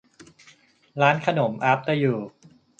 ร้านขนมอาฟเตอร์ ยู